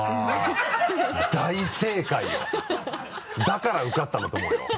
だから受かったんだと思うよ。